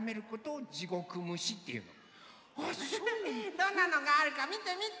どんなのがあるかみてみて。